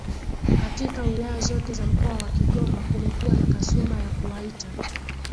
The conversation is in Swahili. katika wilaya zote za Mkoa wa Kigoma kumekuwa na kasumba ya kuwaita